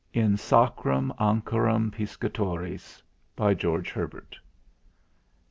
"IN SACRAM ANCHORAM PISCATORIS "GEORGE HERBERT.